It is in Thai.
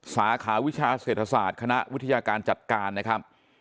สาขาวิชาเศรษฐศาสตร์คณะวิทยาการจัดการนะครับ